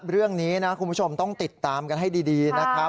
เรื่องนี้นะคุณผู้ชมต้องติดตามกันให้ดีนะครับ